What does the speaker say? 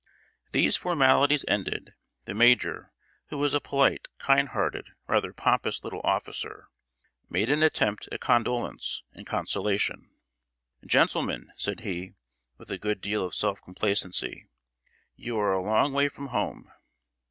] These formalities ended, the major, who was a polite, kind hearted, rather pompous little officer, made an attempt at condolence and consolation. "Gentlemen," said he, with a good deal of self complacency, "you are a long way from home.